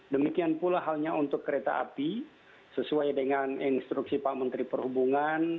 demikian pula halnya untuk kereta api sesuai dengan instruksi pak menteri perhubungan